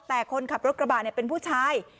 แต่คนขับรถกระบะเป็นผู้ชาย